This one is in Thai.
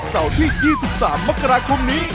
เสาร์ที่๒๓มกราคมนี้